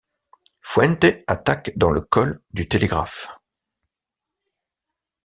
Fuente attaque dans le col du Télégraphe.